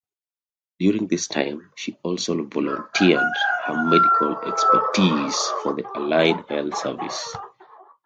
During this time, she also volunteered her medical expertise for the Allied health service.